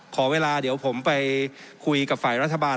ขอเวลาเดี๋ยวผมไปคุยกับฝ่ายรัฐบาล